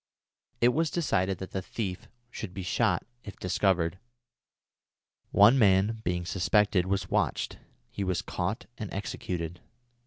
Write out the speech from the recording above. It was decided that the thief should be shot if discovered. One man, being suspected, was watched. He was caught and executed.